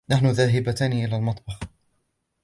نحن ذاهبتان إلى المطبخ.